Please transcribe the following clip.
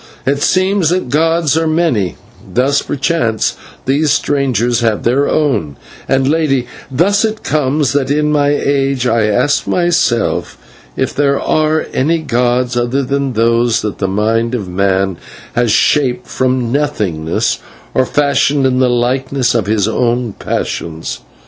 It seems that gods are many: thus, perchance these strangers have their own; and, Lady, thus it comes that in my age I ask myself if there are any gods other than those that the mind of man has shaped from nothingness, or fashioned in the likeness of its own passions.